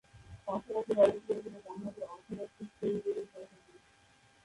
পাশাপাশি দলের প্রয়োজনে বামহাতে অর্থোডক্স স্পিন বোলিং করে থাকেন।